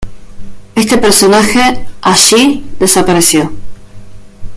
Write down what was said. Este personaje allí desapareció.